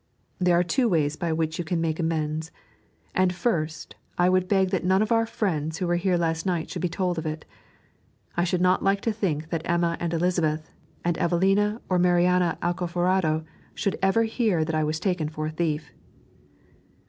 'There are two ways by which you can make amends, and first I would beg that none of our friends who were here last night should be told of it. I should not like to think that Emma and Elizabeth, and Evelina or Marianna Alcoforado should ever hear that I was taken for a thief.'